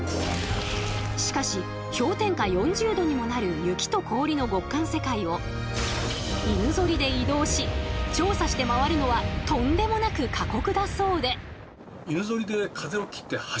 しかし氷点下４０℃にもなる雪と氷の極寒世界を犬ぞりで移動し調査して回るのはとんでもなく過酷だそうで。